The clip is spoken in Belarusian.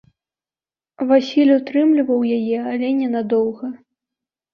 Васіль утрымліваў яе, але ненадоўга.